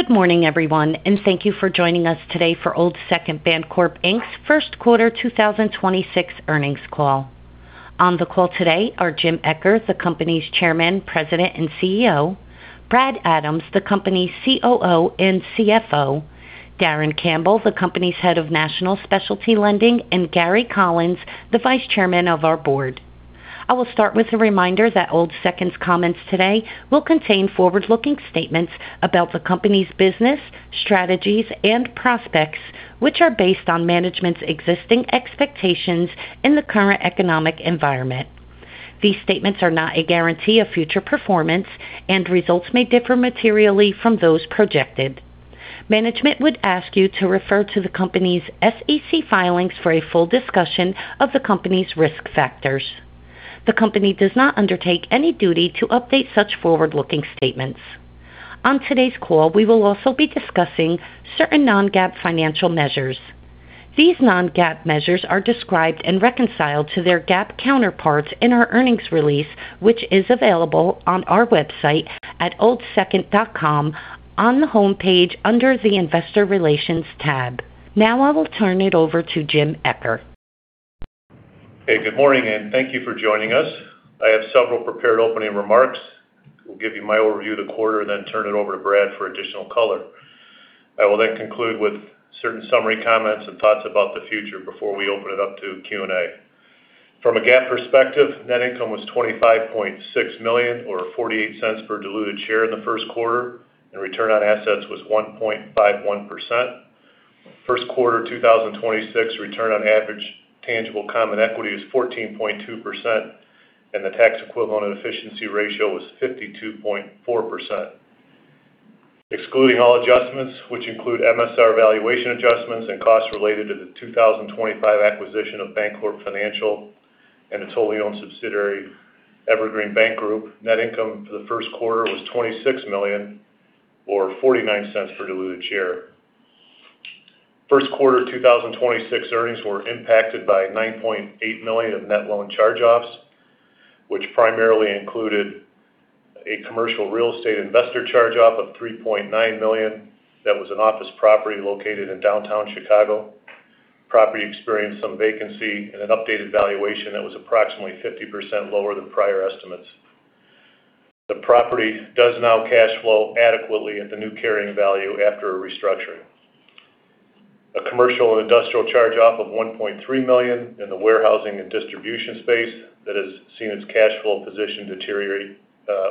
Good morning everyone, and thank you for joining us today for Old Second Bancorp, Inc.'s first quarter 2026 earnings call. On the call today are James L. Eccher, the company's Chairman, President and CEO, Bradley S. Adams, the company's COO and CFO, Darin Campbell, the company's head of National Specialty Lending, and Gary S. Collins, the Vice Chairman of our board. I will start with a reminder that Old Second's comments today will contain forward-looking statements about the company's business, strategies, and prospects, which are based on management's existing expectations in the current economic environment. These statements are not a guarantee of future performance, and results may differ materially from those projected. Management would ask you to refer to the company's SEC filings for a full discussion of the company's risk factors. The company does not undertake any duty to update such forward-looking statements. On today's call, we will also be discussing certain non-GAAP financial measures. These non-GAAP measures are described and reconciled to their GAAP counterparts in our earnings release, which is available on our website at oldsecond.com on the homepage under the investor relations tab. Now I will turn it over to James L. Eccher. Hey, good morning and thank you for joining us. I have several prepared opening remarks. We'll give you my overview of the quarter and then turn it over to Bradley for additional color. I will then conclude with certain summary comments and thoughts about the future before we open it up to Q&A. From a GAAP perspective, net income was $25.6 million or $0.48 per diluted share in the first quarter, and return on assets was 1.51%. First quarter 2024 return on average tangible common equity is 14.2%, and the tax equivalent efficiency ratio was 52.4%. Excluding all adjustments, which include MSR valuation adjustments and costs related to the 2025 acquisition of Bancorp Financial and the wholly owned subsidiary, Evergreen Bank Group, net income for the first quarter was $26 million or $0.49 per diluted share. First quarter 2026 earnings were impacted by $9.8 million of net loan charge-offs, which primarily included a commercial real estate investor charge-off of $3.9 million. That was an office property located in downtown Chicago. The property experienced some vacancy and an updated valuation that was approximately 50% lower than prior estimates. The property does now cash flow adequately at the new carrying value after a restructuring. A commercial and industrial charge-off of $1.3 million in the warehousing and distribution space that has seen its cash flow position deteriorate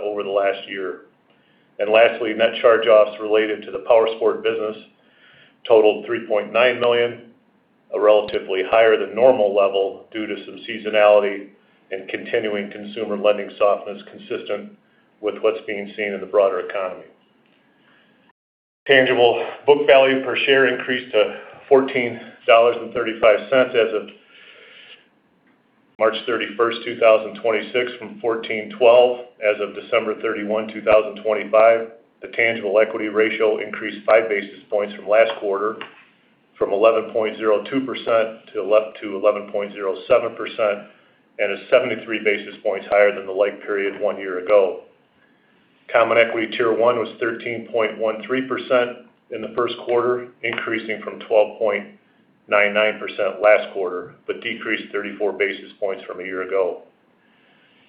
over the last year. Lastly, net charge-offs related to the Powersports business totaled $3.9 million, a relatively higher than normal level due to some seasonality and continuing consumer lending softness consistent with what's being seen in the broader economy. Tangible book value per share increased to $14.35 as of March 31st, 2026 from $14.12 as of December 31st, 2025. The tangible equity ratio increased five basis points from last quarter, from 11.02% to 11.07%, and is 73 basis points higher than the like period one year ago. Common Equity Tier 1 was 13.13% in the first quarter, increasing from 12.99% last quarter, but decreased 34 basis points from a year ago.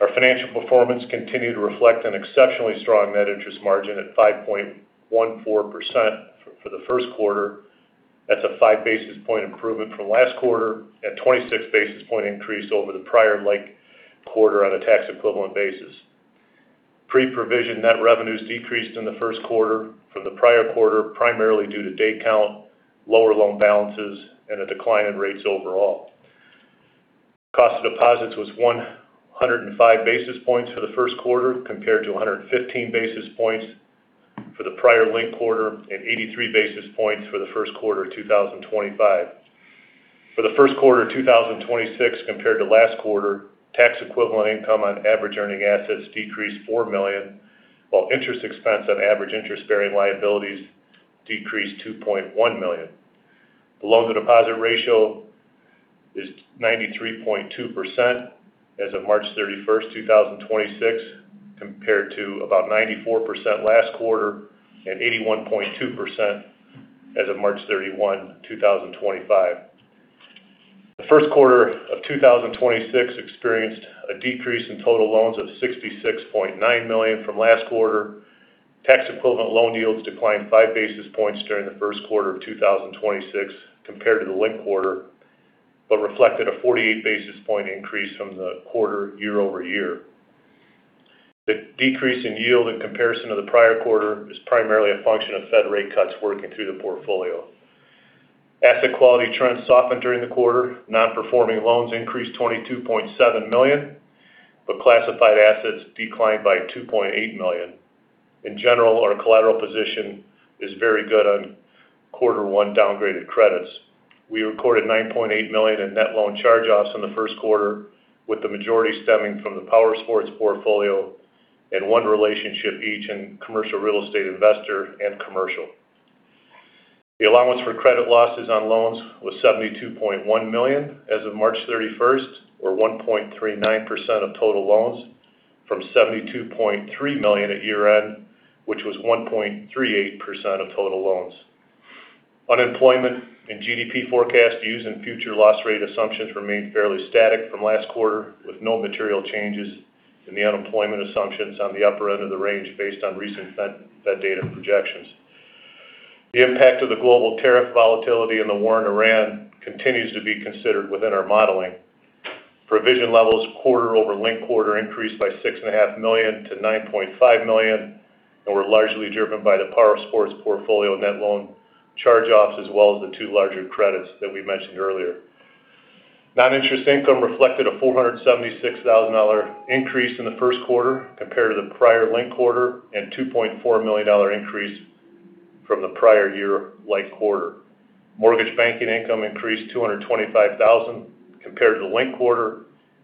Our financial performance continued to reflect an exceptionally strong net interest margin at 5.14% for the first quarter. That's a five basis point improvement from last quarter and 26 basis point increase over the prior like quarter on a tax equivalent basis. Pre-provision net revenues decreased in the first quarter from the prior quarter, primarily due to day count, lower loan balances, and a decline in rates overall. Cost of deposits was 105 basis points for the first quarter, compared to 115 basis points for the prior linked quarter and 83 basis points for the first quarter of 2025. For the first quarter of 2026 compared to last quarter, tax equivalent income on average earning assets decreased $4 million, while interest expense on average interest-bearing liabilities decreased $2.1 million. The loan to deposit ratio is 93.2% as of March 31st, 2026 compared to about 94% last quarter and 81.2% as of March 31st, 2025. The first quarter of 2026 experienced a decrease in total loans of $66.9 million from last quarter. Tax equivalent loan yields declined five basis points during the first quarter of 2026 compared to the linked quarter, but reflected a 48 basis point increase from the quarter year over year. The decrease in yield in comparison to the prior quarter is primarily a function of Fed rate cuts working through the portfolio. Asset quality trends softened during the quarter. Non-performing loans increased $22.7 million, but classified assets declined by $2.8 million. In general, our collateral position is very good on quarter one downgraded credits. We recorded $9.8 million in net loan charge-offs in the first quarter, with the majority stemming from the Powersports portfolio and one relationship each in commercial real estate investor and commercial. The allowance for credit losses on loans was $72.1 million as of March 31st, or 1.39% of total loans from $72.3 million at year-end, which was 1.38% of total loans. Unemployment and GDP forecast used in future loss rate assumptions remained fairly static from last quarter, with no material changes in the unemployment assumptions on the upper end of the range based on recent Fed data projections. The impact of the global tariff volatility and the war in Iran continues to be considered within our modeling. Provision levels quarter over linked quarter increased by $6.5 million to $9.5 million and were largely driven by the Power Sports portfolio net loan charge-offs, as well as the two larger credits that we mentioned earlier. Noninterest income reflected a $476,000 increase in the first quarter compared to the prior linked quarter, and a $2.4 million increase from the prior year like quarter. Mortgage banking income increased $225,000 compared to the linked quarter.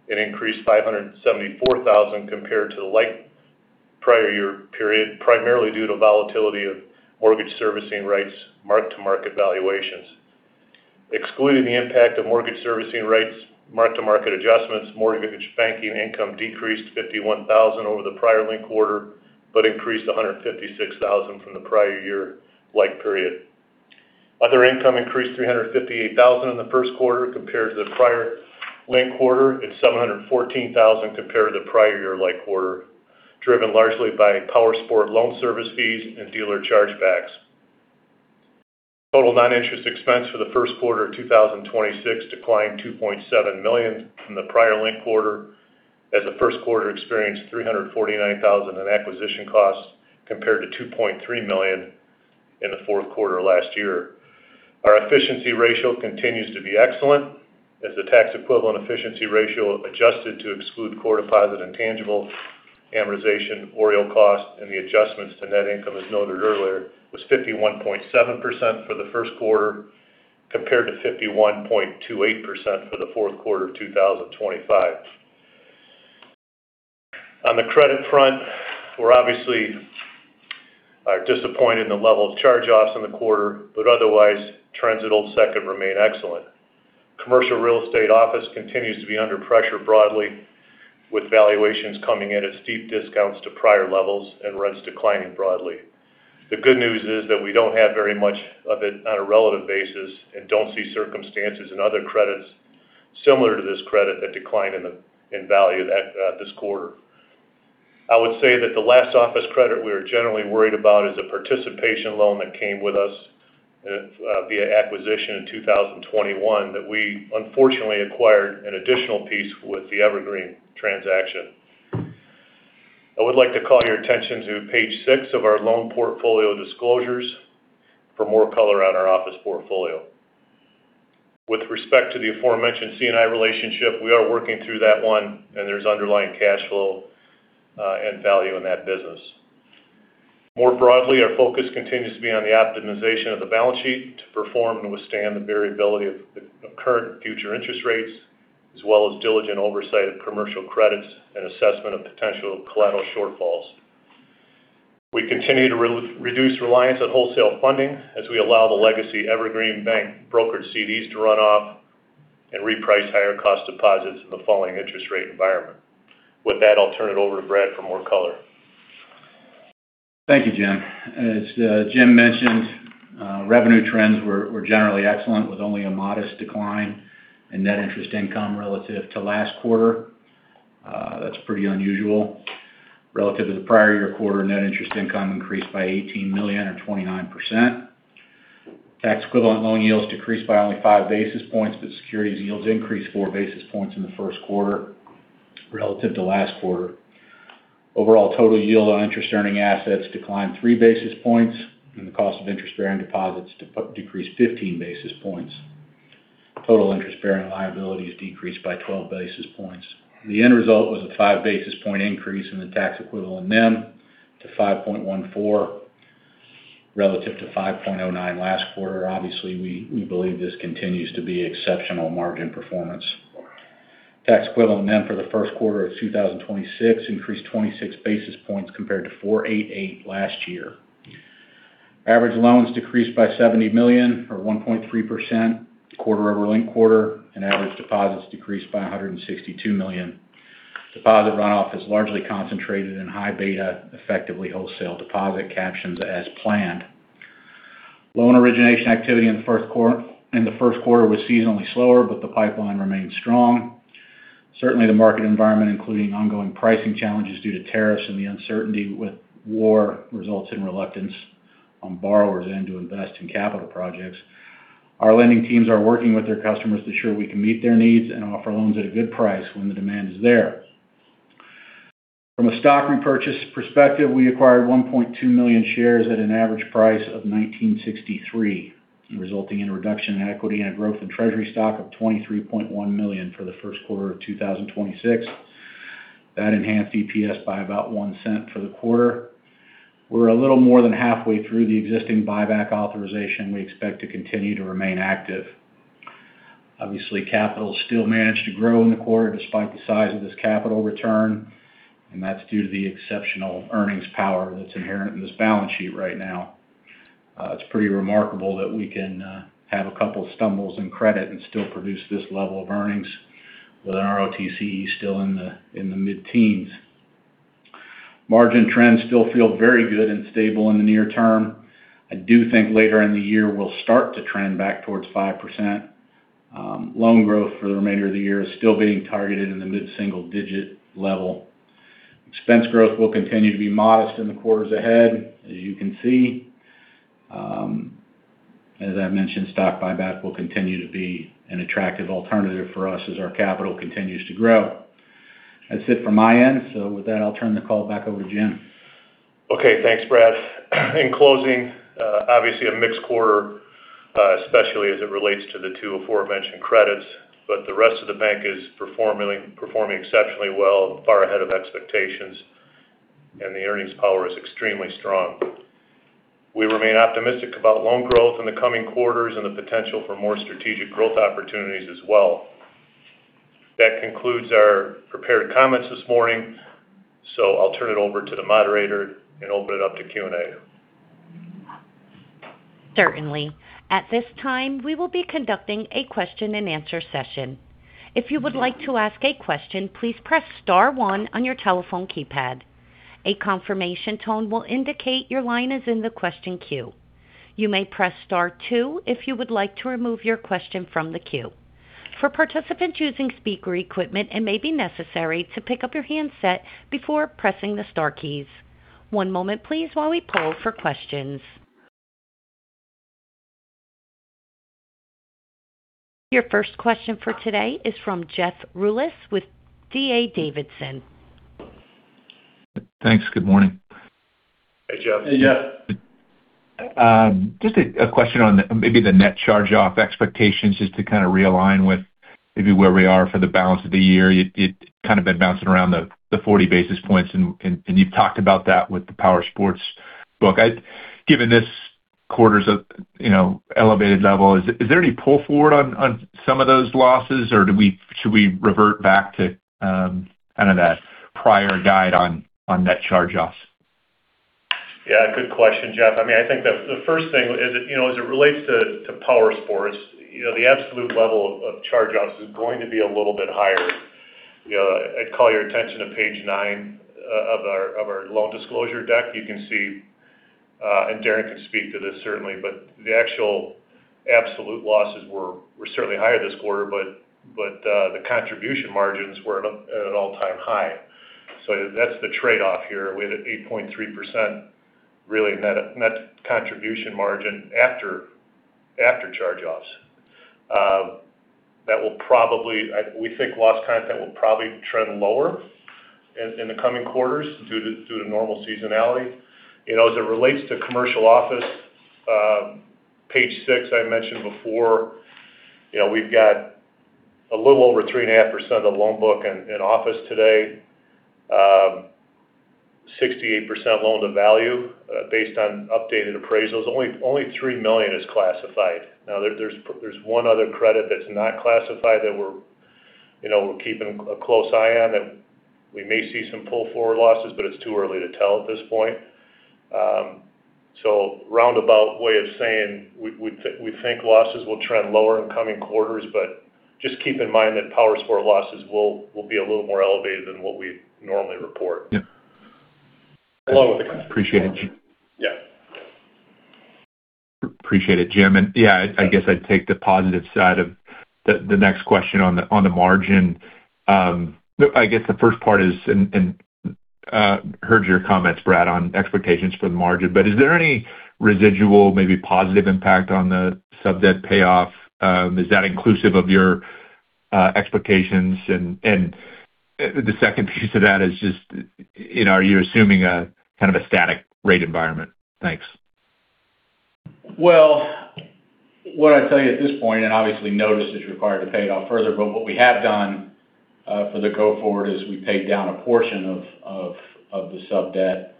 It increased $574,000 compared to the like prior year period, primarily due to volatility of mortgage servicing rights mark-to-market valuations. Excluding the impact of mortgage servicing rights mark-to-market adjustments, mortgage banking income decreased $51,000 over the prior linked quarter but increased $156,000 from the prior year like period. Other income increased $358,000 in the first quarter compared to the prior linked quarter and $714,000 compared to the prior year-ago quarter, driven largely by Powersports loan service fees and dealer chargebacks. Total non-interest expense for the first quarter of 2026 declined $2.7 million from the prior linked quarter as the first quarter experienced $349,000 in acquisition costs compared to $2.3 million in the fourth quarter last year. Our efficiency ratio continues to be excellent as the tax equivalent efficiency ratio adjusted to exclude core deposit, intangible amortization, OREO costs, and the adjustments to net income, as noted earlier, was 51.7% for the first quarter compared to 51.28% for the fourth quarter of 2025. On the credit front, we're obviously disappointed in the level of charge-offs in the quarter, but otherwise trends at Old Second remain excellent. Commercial real estate office continues to be under pressure broadly with valuations coming in at steep discounts to prior levels and rents declining broadly. The good news is that we don't have very much of it on a relative basis and don't see circumstances in other credits similar to this credit that declined in value this quarter. I would say that the last office credit we are generally worried about is a participation loan that came with us via acquisition in 2021 that we unfortunately acquired an additional piece with the Evergreen transaction. I would like to call your attention to page six of our loan portfolio disclosures for more color on our office portfolio. With respect to the aforementioned C&I relationship, we are working through that one and there's underlying cash flow and value in that business. More broadly, our focus continues to be on the optimization of the balance sheet to perform and withstand the variability of current and future interest rates, as well as diligent oversight of commercial credits and assessment of potential collateral shortfalls. We continue to reduce reliance on wholesale funding as we allow the legacy Evergreen Bank brokered CDs to run off and reprice higher cost deposits in the following interest rate environment. With that, I'll turn it over to Bradley for more color. Thank you, James. As James mentioned, revenue trends were generally excellent with only a modest decline in net interest income relative to last quarter. That's pretty unusual. Relative to the prior year quarter, net interest income increased by $18 million or 29%. Tax-equivalent loan yields decreased by only five basis points, but securities yields increased four basis points in the first quarter relative to last quarter. Overall total yield on interest-earning assets declined three basis points and the cost of interest-bearing deposits decreased 15 basis points. Total interest-bearing liabilities decreased by 12 basis points. The end result was a five basis point increase in the tax-equivalent NIM to 5.14% relative to 5.09% last quarter. Obviously, we believe this continues to be exceptional margin performance. Tax-equivalent NIM for the first quarter of 2024 increased 26 basis points compared to 4.88% last year. Average loans decreased by $70 million or 1.3% quarter-over-quarter and average deposits decreased by $162 million. Deposit runoff is largely concentrated in high-beta, effectively wholesale deposit categories as planned. Loan origination activity in the first quarter was seasonally slower, but the pipeline remained strong. Certainly, the market environment, including ongoing pricing challenges due to tariffs and the uncertainty with war, results in reluctance on borrowers' end to invest in capital projects. Our lending teams are working with their customers to ensure we can meet their needs and offer loans at a good price when the demand is there. From a stock repurchase perspective, we acquired 1.2 million shares at an average price of $19.63, resulting in a reduction in equity and a growth in treasury stock of $23.1 million for the first quarter of 2026. That enhanced EPS by about $0.01 for the quarter. We're a little more than halfway through the existing buyback authorization. We expect to continue to remain active. Obviously, capital still managed to grow in the quarter despite the size of this capital return, and that's due to the exceptional earnings power that's inherent in this balance sheet right now. It's pretty remarkable that we can have a couple stumbles in credit and still produce this level of earnings with an ROTCE still in the mid-teens. Margin trends still feel very good and stable in the near term. I do think later in the year, we'll start to trend back towards 5%. Loan growth for the remainder of the year is still being targeted in the mid-single-digit level. Expense growth will continue to be modest in the quarters ahead, as you can see. As I mentioned, stock buyback will continue to be an attractive alternative for us as our capital continues to grow. That's it from my end. With that, I'll turn the call back over to James. Okay. Thanks, Bradley. In closing, obviously a mixed quarter, especially as it relates to the two aforementioned credits, but the rest of the bank is performing exceptionally well, far ahead of expectations, and the earnings power is extremely strong. We remain optimistic about loan growth in the coming quarters and the potential for more strategic growth opportunities as well. That concludes our prepared comments this morning, so I'll turn it over to the moderator and open it up to Q&A. Certainly. At this time, we will be conducting a question and answer session. If you would like to ask a question, please press star one on your telephone keypad. A confirmation tone will indicate your line is in the question queue. You may press star two if you would like to remove your question from the queue. For participants using speaker equipment, it may be necessary to pick up your handset before pressing the star keys. One moment, please, while we poll for questions. Your first question for today is from Jeff Rulis with D.A. Davidson. Thanks. Good morning. Hey, Jeff. Hey, Jeff. Just a question on maybe the net charge-off expectations, just to kind of realign with maybe where we are for the balance of the year. It kind of been bouncing around the 40 basis points, and you've talked about that with the powersports book. Given this quarter's elevated level, is there any pull forward on some of those losses or should we revert back to that prior guide on net charge-offs? Yeah, good question, Jeff. I think the first thing is it, as it relates to Powersports, the absolute level of charge-offs is going to be a little bit higher. I'd call your attention to page nine of our loan disclosure deck. You can see, and Darin can speak to this certainly, but the actual absolute losses were certainly higher this quarter, but the contribution margins were at an all-time high. So that's the trade-off here. We had an 8.3% really net contribution margin after charge-offs. We think loss content will probably trend lower in the coming quarters due to normal seasonality. As it relates to commercial office, page six, I mentioned before, we've got a little over 3.5% of the loan book in office today. 68% loan to value based on updated appraisals. Only $3 million is classified. Now, there's one other credit that's not classified that we're keeping a close eye on, and we may see some pull-forward losses, but it's too early to tell at this point. Roundabout way of saying we think losses will trend lower in coming quarters, but just keep in mind that Powersports losses will be a little more elevated than what we normally report. Yep. Below the. Appreciate it. Yeah. Appreciate it, James. Yeah, I guess I'd take the positive side of the next question on the margin. I guess the first part is I heard your comments, Bradley, on expectations for the margin, but is there any residual, maybe positive impact on the sub-debt payoff? Is that inclusive of your expectations? The second piece of that is just, are you assuming a kind of a static rate environment? Thanks. Well, what I'd tell you at this point, and obviously notice is required to pay it off further, but what we have done going forward is we paid down a portion of the sub-debt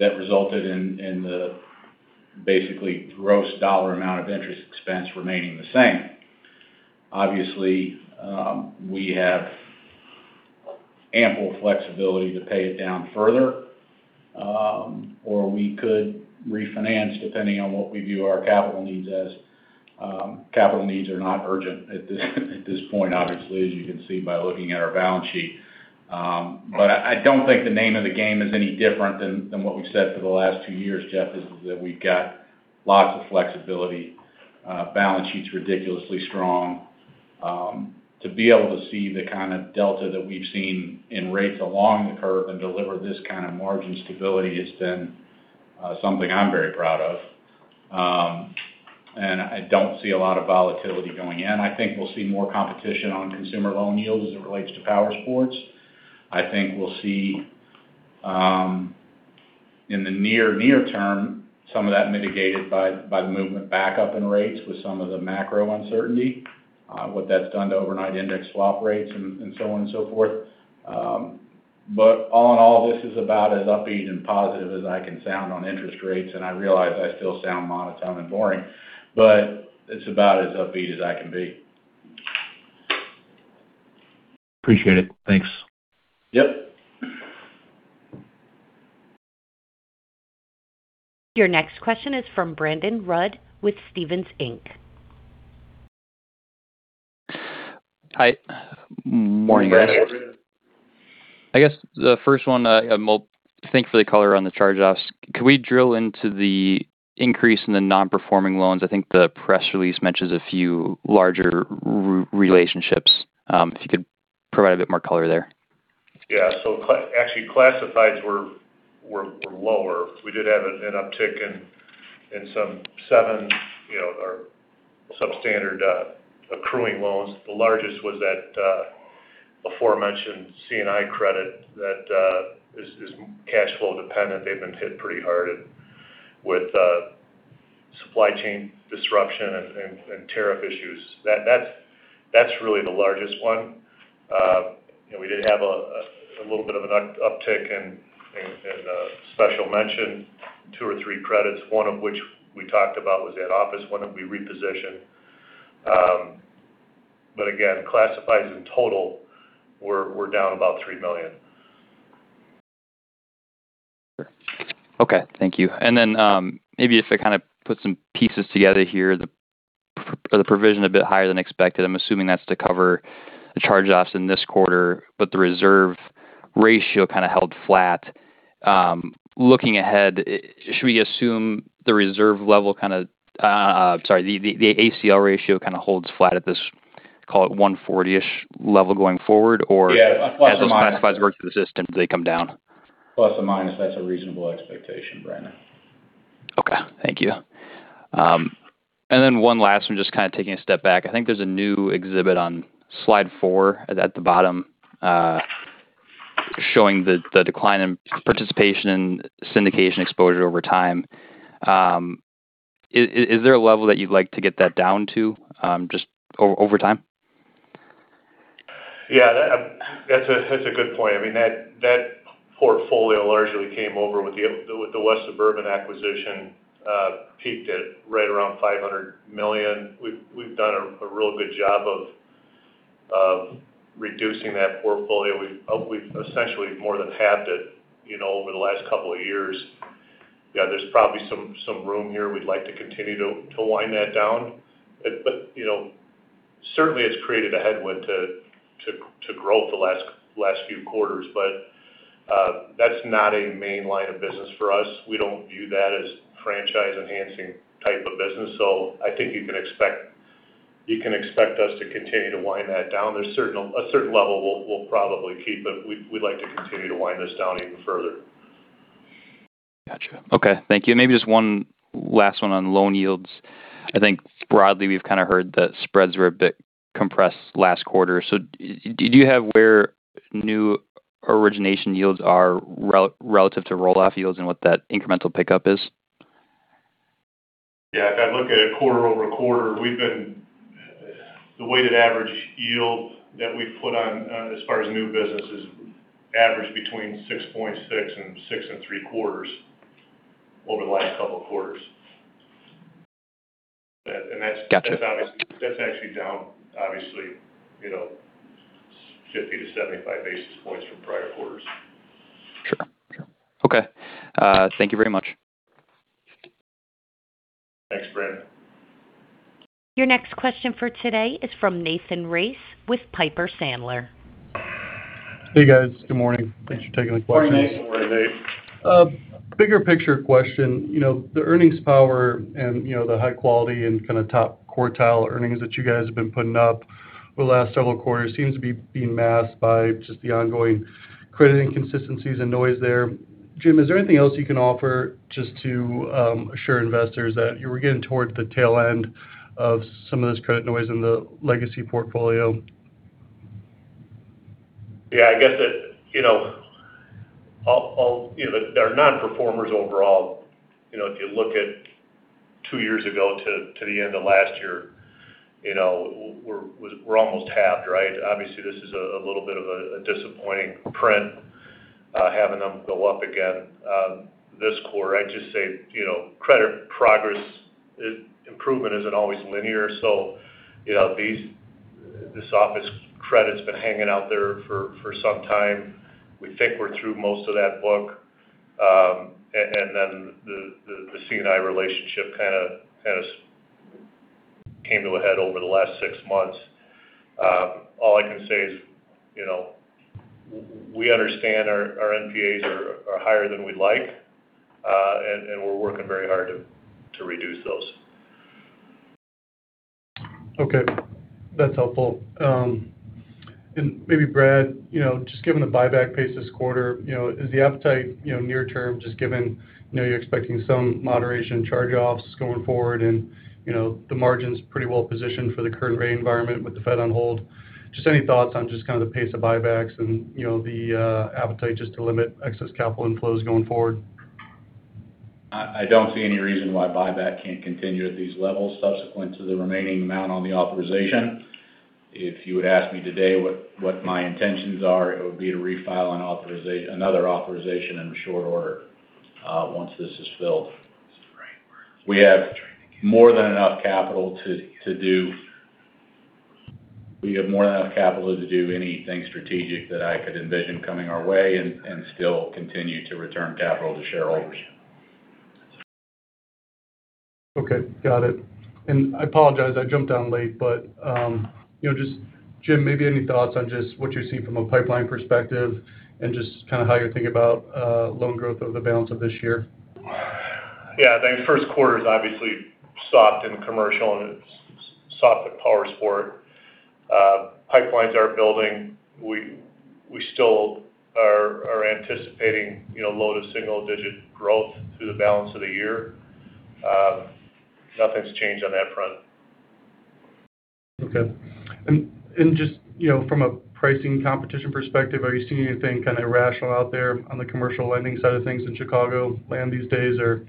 that basically resulted in the gross dollar amount of interest expense remaining the same. Obviously, we have ample flexibility to pay it down further. We could refinance depending on what we view our capital needs as. Capital needs are not urgent at this point, obviously, as you can see by looking at our balance sheet. I don't think the name of the game is any different than what we've said for the last two years, Jeff, is that we've got lots of flexibility. Balance sheet's ridiculously strong. To be able to see the kind of delta that we've seen in rates along the curve and deliver this kind of margin stability has been something I'm very proud of. I don't see a lot of volatility going in. I think we'll see more competition on consumer loan yields as it relates to Powersports. I think we'll see, in the near term, some of that mitigated by the movement back up in rates with some of the macro uncertainty, what that's done to overnight index swap rates and so on and so forth. All in all, this is about as upbeat and positive as I can sound on interest rates, and I realize I still sound monotone and boring, but it's about as upbeat as I can be. Appreciate it. Thanks. Yep. Your next question is from Brandon Rud with Stephens Inc. Hi. Morning, guys. I guess the first one, thanks for the color on the charge-offs. Could we drill into the increase in the non-performing loans? I think the press release mentions a few larger relationships. If you could provide a bit more color there. Yeah. Actually, classifieds were lower. We did have an uptick in some seven substandard accruing loans. The largest was that aforementioned C&I credit that is cash flow dependent. They've been hit pretty hard with supply chain disruption and tariff issues. That's really the largest one. We did have a little bit of an uptick in the special mention, two or three credits, one of which we talked about was that office one that we repositioned. Again, classifieds in total were down about $3 million. Sure. Okay. Thank you. Then maybe if I put some pieces together here, the provision a bit higher than expected. I'm assuming that's to cover the charge-offs in this quarter, but the reserve ratio kind of held flat. Looking ahead, should we assume the ACL ratio kind of holds flat at this, call it 140-ish level going forward? Or- Yeah. Plus or minus. As the classifieds work through the system, do they come down? Plus or minus, that's a reasonable expectation, Brandon. Okay. Thank you. One last one, just taking a step back. I think there's a new exhibit on slide four at the bottom, showing the decline in participation in syndication exposure over time. Is there a level that you'd like to get that down to, just over time? Yeah. That's a good point. I mean, that portfolio largely came over with the West Suburban acquisition, peaked at right around $500 million. We've done a real good job of reducing that portfolio. We've essentially more than halved it over the last couple of years. Yeah, there's probably some room here. We'd like to continue to wind that down. Certainly, it's created a headwind to growth the last few quarters. That's not a main line of business for us. We don't view that as franchise-enhancing type of business. I think you can expect us to continue to wind that down. There's a certain level we'll probably keep, but we'd like to continue to wind this down even further. Got you. Okay. Thank you. Maybe just one last one on loan yields. I think broadly, we've kind of heard that spreads were a bit compressed last quarter. Do you have where new origination yields are relative to roll-off yields and what that incremental pickup is? Yeah. If I look at it quarter-over-quarter, the weighted average yield that we've put on as far as new business is average between 6.6% and 6.75% over the last couple of quarters. Got you. That's actually down, obviously, 50-75 basis points from prior quarters. Sure. Okay. Thank you very much. Thanks, Brandon. Your next question for today is from Nathan Race with Piper Sandler. Hey, guys. Good morning. Thanks for taking the questions. Morning, Nathan. Bigger picture question. The earnings power and the high quality and kind of top quartile earnings that you guys have been putting up over the last several quarters seems to be being masked by just the ongoing credit inconsistencies and noise there. James, is there anything else you can offer just to assure investors that you were getting towards the tail end of some of this credit noise in the legacy portfolio? Yeah, I guess that our non-performers overall, if you look at two years ago to the end of last year, we're almost halved, right? Obviously, this is a little bit of a disappointing print, having them go up again this quarter. I'd just say credit progress improvement isn't always linear. This office credit's been hanging out there for some time. We think we're through most of that book. Then the C&I relationship kind of came to a head over the last six months. All I can say is we understand our NPAs are higher than we'd like. We're working very hard to reduce those. Okay. That's helpful. Maybe Bradley, just given the buyback pace this quarter, is the appetite near-term, just given you're expecting some moderation in charge-offs going forward and the margin's pretty well positioned for the current rate environment with the Fed on hold. Just any thoughts on just kind of the pace of buybacks and the appetite just to limit excess capital inflows going forward? I don't see any reason why buyback can't continue at these levels subsequent to the remaining amount on the authorization. If you would ask me today what my intentions are, it would be to refile another authorization in short order once this is filled. We have more than enough capital to do anything strategic that I could envision coming our way and still continue to return capital to shareholders. Okay, got it. I apologize, I jumped on late. James, maybe any thoughts on just what you're seeing from a pipeline perspective and just how you're thinking about loan growth over the balance of this year? Yeah. I think first quarter is obviously soft in commercial and it's soft at Powersports. Pipelines are building. We still are anticipating low- to single-digit growth through the balance of the year. Nothing's changed on that front. Okay. Just from a pricing competition perspective, are you seeing anything kind of irrational out there on the commercial lending side of things in Chicagoland these days? Or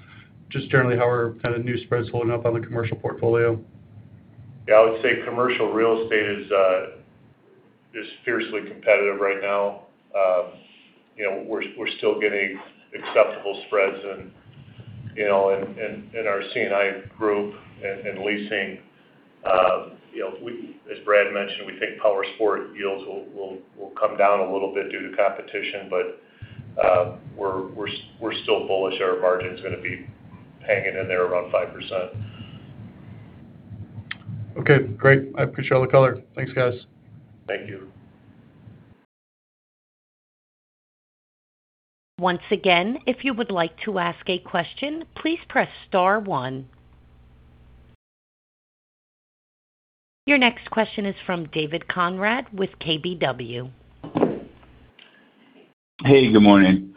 just generally, how are new spreads holding up on the commercial portfolio? Yeah, I would say commercial real estate is fiercely competitive right now. We're still getting acceptable spreads in our C&I group and leasing. As Bradley mentioned, we think Powersports yields will come down a little bit due to competition. We're still bullish that our margin's going to be hanging in there around 5%. Okay, great. I appreciate all the color. Thanks, guys. Thank you. Once again, if you would like to ask a question, please press star one. Your next question is from David Konrad with KBW. Hey, good morning.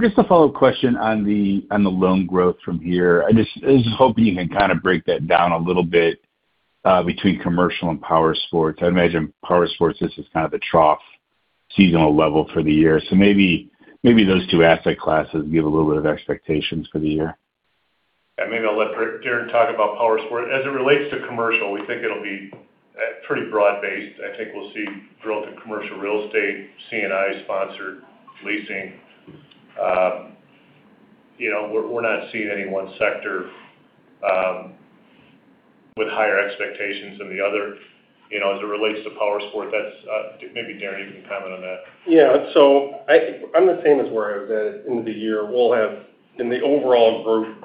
Just a follow-up question on the loan growth from here. I was just hoping you could kind of break that down a little bit between commercial and Powersports. I'd imagine Powersports, this is kind of the trough seasonal level for the year. Maybe those two asset classes give a little bit of expectations for the year. I maybe I'll let Darin talk about Powersports. As it relates to commercial, we think it'll be pretty broad-based. I think we'll see growth in commercial real estate, C&I sponsored leasing. We're not seeing any one sector with higher expectations than the other. As it relates to Powersports, maybe Darin, you can comment on that. I'm the same as where I was at end of the year. In the overall group,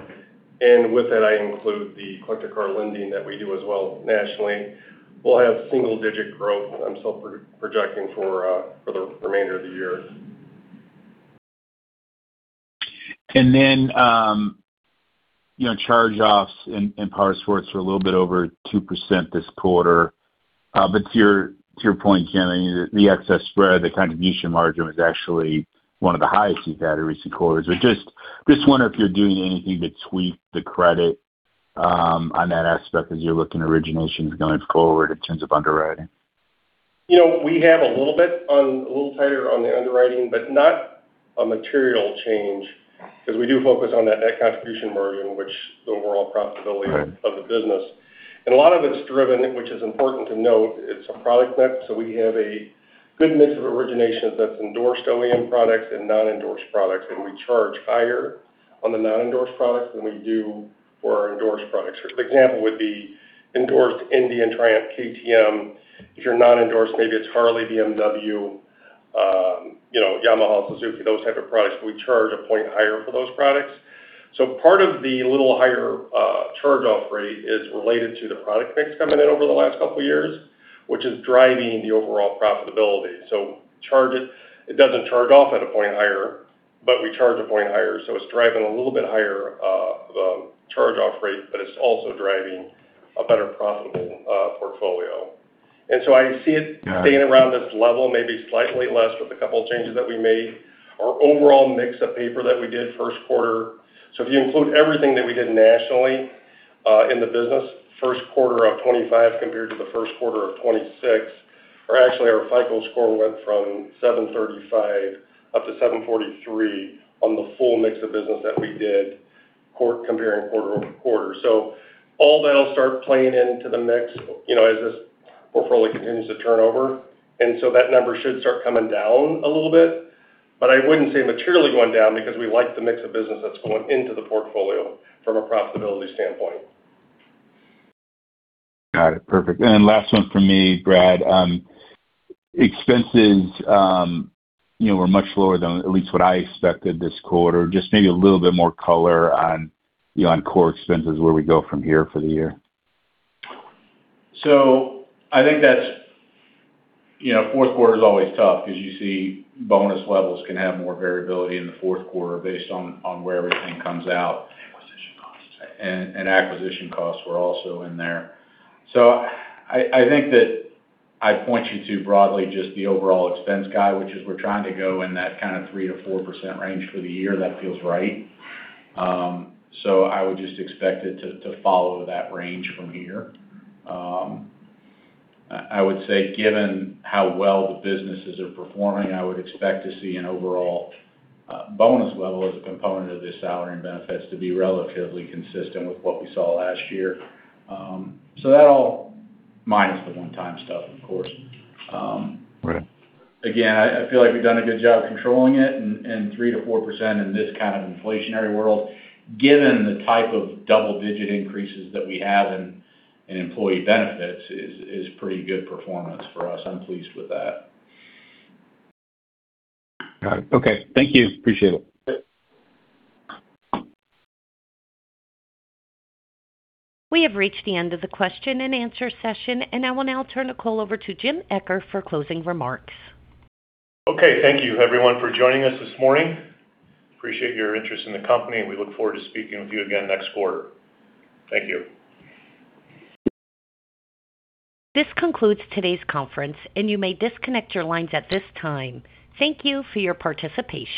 and with that, I include the collector car lending that we do as well nationally, we'll have single-digit growth. I'm still projecting for the remainder of the year. Charge-offs in Powersports were a little bit over 2% this quarter. To your point, James, the excess spread, the kind of niche in margin was actually one of the highest you've had in recent quarters. I just wonder if you're doing anything to tweak the credit on that aspect as you're looking at originations going forward in terms of underwriting. We have a little tighter on the underwriting, but not a material change because we do focus on that net contribution margin, which the overall profitability. Right... of the business. A lot of it is driven, which is important to note, it's a product mix. We have a good mix of originations that's endorsed OEM products and non-endorsed products. We charge higher on the non-endorsed products than we do for our endorsed products. For example, would be endorsed Indian, Triumph, KTM. If you're non-endorsed, maybe it's Harley, BMW, Yamaha, Suzuki, those type of products. We charge a point higher for those products. Part of the little higher charge-off rate is related to the product mix coming in over the last couple of years, which is driving the overall profitability. It doesn't charge off at a point higher, but we charge a point higher. It's driving a little bit higher the charge-off rate, but it's also driving a better profitable portfolio. I see it- Got it. Staying around this level, maybe slightly less with a couple of changes that we made. Our overall mix of paper that we did first quarter if you include everything that we did nationally in the business, first quarter of 2025 compared to the first quarter of 2026. Actually our FICO score went from 735 up to 743 on the full mix of business that we did comparing quarter-over-quarter. All that'll start playing into the mix as this portfolio continues to turn over. That number should start coming down a little bit. I wouldn't say materially going down because we like the mix of business that's going into the portfolio from a profitability standpoint. Got it, perfect. Last one from me, Bradley. Expenses were much lower than at least what I expected this quarter. Just maybe a little bit more color on core expenses where we go from here for the year. I think that fourth quarter is always tough because you see bonus levels can have more variability in the fourth quarter based on where everything comes out. Acquisition costs. Acquisition costs were also in there. I think that I'd point you to broadly just the overall expense guide, which is we're trying to go in that kind of 3%-4% range for the year. That feels right. I would just expect it to follow that range from here. I would say given how well the businesses are performing, I would expect to see an overall bonus level as a component of the salary and benefits to be relatively consistent with what we saw last year. That all minus the one-time stuff, of course. Right. Again, I feel like we've done a good job controlling it. 3%-4% in this kind of inflationary world, given the type of double-digit increases that we have in employee benefits, is pretty good performance for us. I'm pleased with that. Got it. Okay. Thank you. Appreciate it. We have reached the end of the question and answer session, and I will now turn the call over to James L. Eccher for closing remarks. Okay, thank you everyone for joining us this morning. Appreciate your interest in the company, and we look forward to speaking with you again next quarter. Thank you. This concludes today's conference, and you may disconnect your lines at this time. Thank you for your participation.